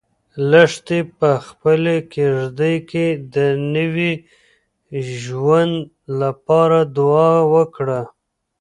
لښتې په خپلې کيږدۍ کې د نوي ژوند لپاره دعا وکړه.